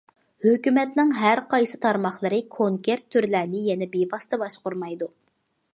ھۆكۈمەتنىڭ ھەر قايسى تارماقلىرى كونكرېت تۈرلەرنى يەنە بىۋاسىتە باشقۇرمايدۇ.